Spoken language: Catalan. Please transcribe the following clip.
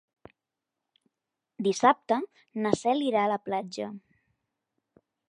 Dissabte na Cel irà a la platja.